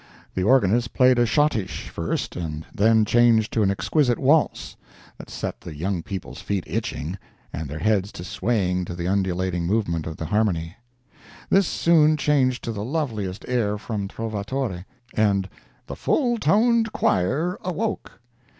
The organist played a schottische first and then changed to an exquisite waltz, that set the young people's feet itching and their heads to swaying to the undulating movement of the harmony. This soon changed to the loveliest air from "Trovatore," and "the full toned choir awoke."